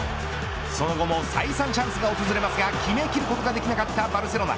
その後も再三チャンスが訪れますが決めきることができなかったバルセロナ。